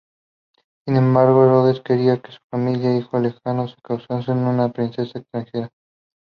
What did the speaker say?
Sin embargo, Herodes quería que su hijo Alejandro se casase con una princesa extranjera.